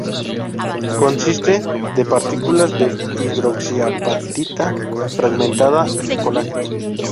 Consiste de partículas de hidroxiapatita fragmentada y colágeno.